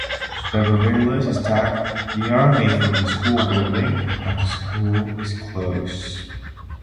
The guerrillas attack the army from the school building and the school is closed.